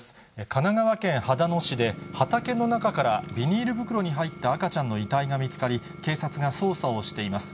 神奈川県秦野市で、畑の中からビニール袋に入った赤ちゃんの遺体が見つかり、警察が捜査をしています。